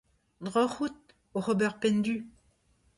Droch out oc'h ober penn-du.